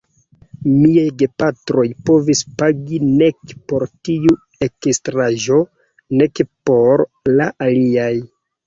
Miaj gepatroj povis pagi nek por tiu ekstraĵo, nek por la aliaj.